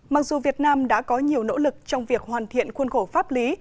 mặc dù việt nam đã có nhiều nỗ lực trong việc hoàn thiện khuôn khổ pháp lý